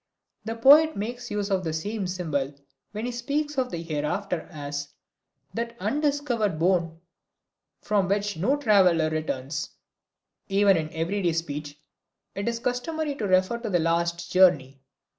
The poet makes use of the same symbol when he speaks of the Hereafter as "that undiscovered bourne from which no traveler returns." Even in everyday speech it is customary to refer to the last journey.